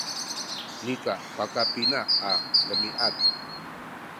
nika pakapina a demiad